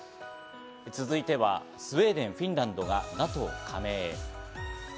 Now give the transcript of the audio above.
続いては、スウェーデン、フィンランドがＮＡＴＯ加盟へ。